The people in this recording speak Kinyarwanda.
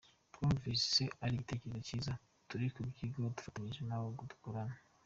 Twumvise ari igitekerezo cyiza, turi kubyigaho dufatanyije n’abo dukorana.